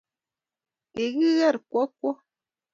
Kikiker Kokwo